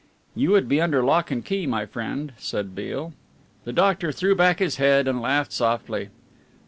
"You would be under lock and key, my friend," said Beale. The doctor threw back his head and laughed softly.